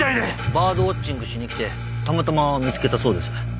バードウォッチングしに来てたまたま見つけたそうです。